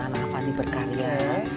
anak avanti berkarya